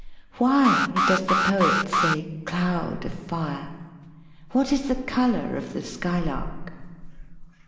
Why does the poet say cloud of fire ? What is the color of the skylark?